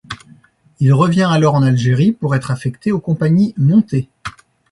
Il revient alors en Algérie pour être affecté aux compagnies montées.